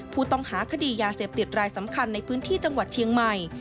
ผู้ต้องหาคดียาเสพติดรายสำคัญในพื้นที่จังหวัดเชียงใหม่